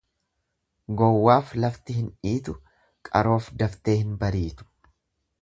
Gowwaaf lafti hin dhiitu qaroof daftee hin bariitu.